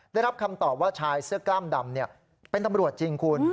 ได้รับคำตอบว่าชายเสื้อกล้ามดำเป็นตำรวจจริงคุณ